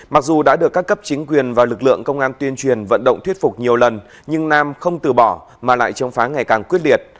mặc dù đã được các cấp chính quyền và lực lượng công an tuyên truyền vận động thuyết phục nhiều lần nhưng nam không từ bỏ mà lại chống phá ngày càng quyết liệt